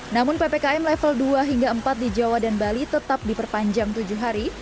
namun ppkm level dua hingga empat di jawa dan bali tetap diperpanjang tujuh hari